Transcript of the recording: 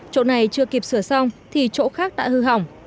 chỗ này chưa kịp sửa xong thì chỗ khác đã hư hỏng